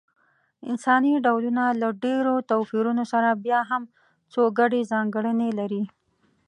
انساني ډولونه له ډېرو توپیرونو سره بیا هم څو ګډې ځانګړنې لري.